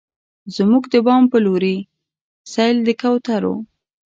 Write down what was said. زموږ د بام په لورې، سیل د کوترو